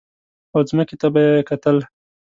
او ځمکې ته به یې کتل.